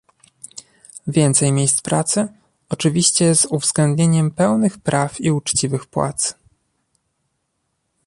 Więcej miejsc pracy, oczywiście z uwzględnieniem pełnych praw i uczciwych płac